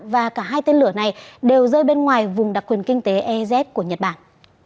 và cả hai tên lửa này đều rơi bên ngoài vùng đặc quyền kinh tế ez của nhật bản